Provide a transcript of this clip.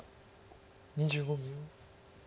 ２５秒。